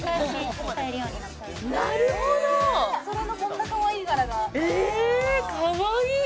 それのこんなかわいい柄がえっかわいい！